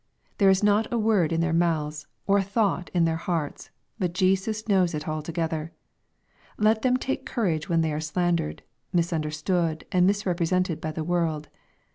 There is not a word in their mouths, or a thought in their hearts, but Jesus knows it altogether. Let them take courage when they are slandered, misunderstood, and misrepresented by the world.